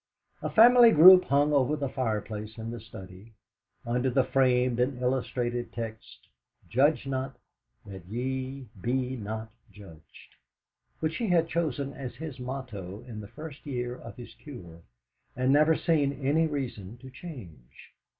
A family group hung over the fireplace in the study, under the framed and illuminated text, "Judge not, that ye be not judged," which he had chosen as his motto in the first year of his cure, and never seen any reason to change.